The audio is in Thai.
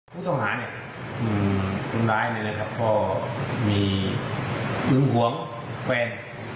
ผู้ทหารเนี่ยคนร้ายเนี่ยนะครับก็มีอึ้งหวงแฟน